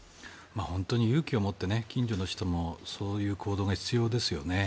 本当に勇気を持って近所の人もそういう行動が必要ですよね。